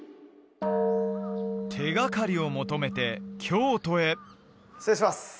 手がかりを求めて京都へ失礼します